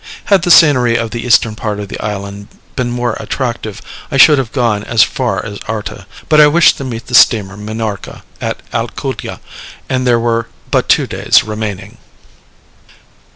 Had the scenery of the eastern part of the island been more attractive, I should have gone as far as Arta; but I wished to meet the steamer Minorca at Alcudia, and there were but two days remaining.